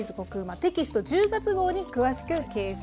テキスト１０月号に詳しく掲載されています。